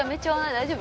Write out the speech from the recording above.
大丈夫？